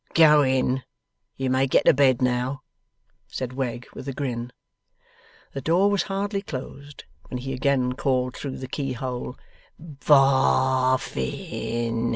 'Go in. You may get to bed now,' said Wegg, with a grin. The door was hardly closed, when he again called through the keyhole: 'Bof fin!